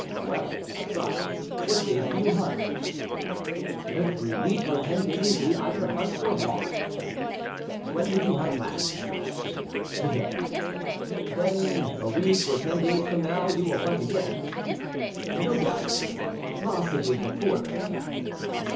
"Well, sire, what days do you hunt?" "Every week or ten days we either hunt or hawk." "When did you hunt last?" "To day." "Then a week or ten days from now you will hunt again?" "No doubt; possibly before then."